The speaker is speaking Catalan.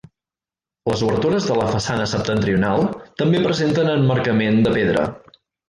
Les obertures de la façana septentrional també presenten emmarcament de pedra.